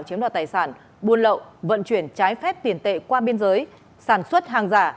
chiếm đoạt tài sản buôn lậu vận chuyển trái phép tiền tệ qua biên giới sản xuất hàng giả